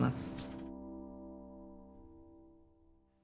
はい。